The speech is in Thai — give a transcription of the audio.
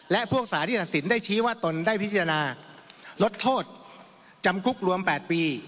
และพวกสารที่ตัดสินได้ชี้ว่าตนได้พิจารณาลดโทษจำคุกรวม๘ปี